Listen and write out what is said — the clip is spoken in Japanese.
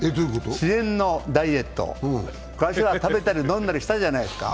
自然のダイエット、昔は食べたり飲んだりしたじゃないですか。